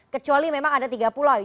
kecuali memang ada tiga pulau